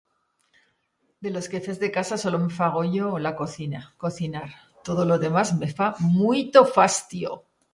De los quefers de casa solo me fa goyo la cocina, cocinar. Todo lo demás me fa muito fastio.